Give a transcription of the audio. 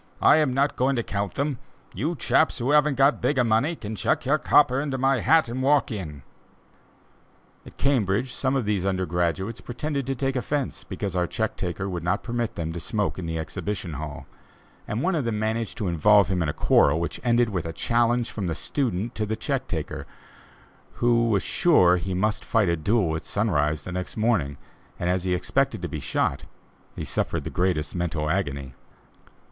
I am not going to count them! you chaps who haven't bigger money can chuck your copper into my hat and walk in." At Cambridge, some of the under graduates pretended to take offence because our check taker would not permit them to smoke in the exhibition hall, and one of them managed to involve him in a quarrel which ended with a challenge from the student to the check taker, who was sure he must fight a duel at sunrise the next morning, and as he expected to be shot, he suffered the greatest mental agony.